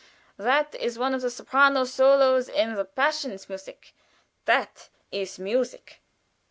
That is one of the soprano solos in the Passions musik that is music."